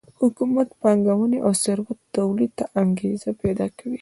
حکومت پانګونې او ثروت تولید ته انګېزه پیدا کوي